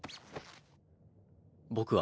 僕は。